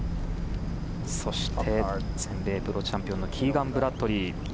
そして全米プロチャンピオンのキーガン・ブラッドリー。